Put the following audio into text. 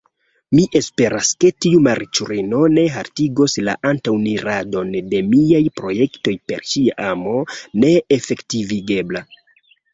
Mi esperas, ke tiu malriĉulino ne haltigos la antaŭeniradon de miaj projektoj per ŝia amo neefektivigebla.